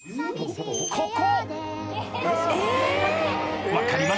［ここ！］